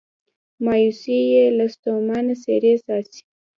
مایوسي یې له ستومانه څیرې څاڅي